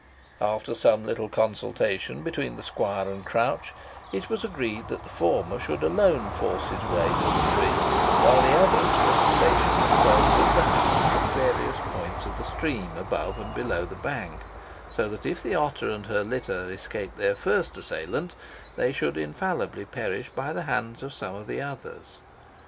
After some little consultation between the squire and Crouch, it was agreed that the former should alone force his way to the tree, while the others were to station themselves with the hounds at various points of the stream, above and below the bank, so that, if the otter and her litter escaped their first assailant, they should infallibly perish by the hands of some of the others.